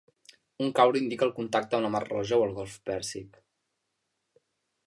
Un cauri indica el contacte amb la mar Roja o el golf Pèrsic.